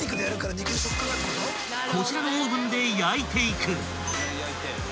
［こちらのオーブンで焼いていく］